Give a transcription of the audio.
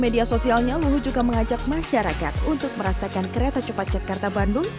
media sosialnya luhut juga mengajak masyarakat untuk merasakan kereta cepat jakarta bandung